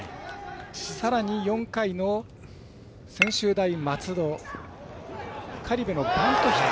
さらに４回の専大松戸苅部のバントヒット。